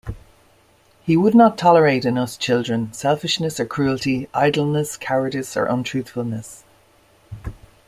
He would not tolerate in us children selfishness or cruelty, idleness, cowardice, or untruthfulness.